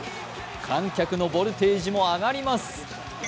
観客のボルテージも上がります。